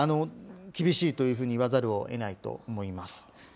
厳しいというふうに言わざるをえないと思います。